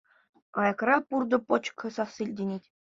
Аякра пуртӑ-пӑчкӑ сасси илтӗнет.